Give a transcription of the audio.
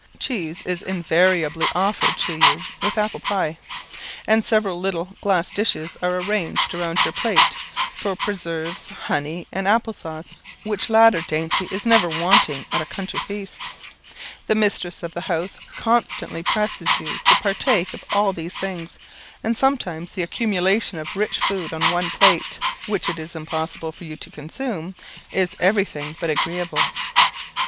Cheese is invariably offered to you with apple pie; and several little, glass dishes are ranged round your plate, for preserves, honey, and apple sauce, which latter dainty is never wanting at a country feast. The mistress of the house constantly presses you to partake of all these things, and sometimes the accumulation of rich food on one plate, which it is impossible for you to consume, is everything but agreeable.